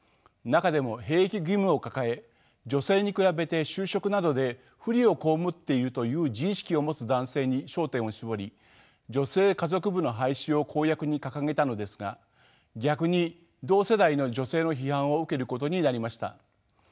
中でも兵役義務を抱え女性に比べて就職などで不利を被っているという自意識を持つ男性に焦点を絞り女性家族部の廃止を公約に掲げたのですが逆に同世代の女性の批判を受けることになりました。